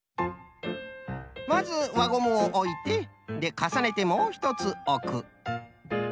まずわゴムをおいてでかさねてもうひとつおく。